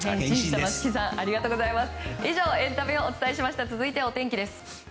松木さんありがとうございます。